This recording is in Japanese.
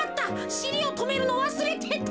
しりをとめるのわすれてた。